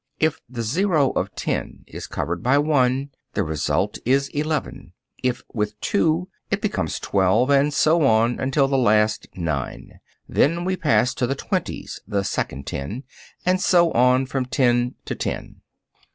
If the zero of 10 is covered by 1 the result is 11, if with 2 it becomes 12, and so on, until the last 9. Then we pass to the twenties (the second ten), and so on, from ten to ten.